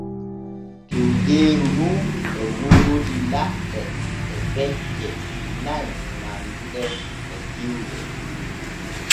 Tiwgeeru nu e woodi laɗɗe e becce nay nanduɗe e tiwge.